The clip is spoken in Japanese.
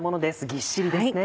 ぎっしりですね。